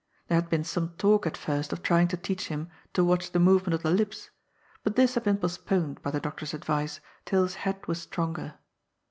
There had been some talk at first of trying to teach him to watch the movement of the lips, but this had been postponed, by the doctor's advice, till his head was stronger.